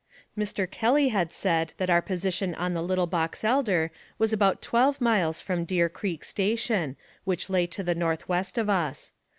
Mr. Kelly had said that our position on the Little Box Elder was about twelve miles from Deer Creek Station, which lay to the northwest of us.